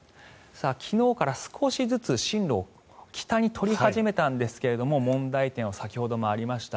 昨日から少しずつ進路を北に取り始めたんですが問題点は先ほどもありました